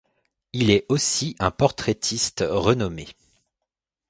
Il est aussi un portraitiste renommé.